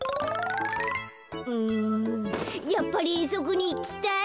うんやっぱりえんそくにいきたい！